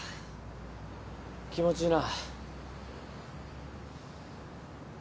気持ちいいな。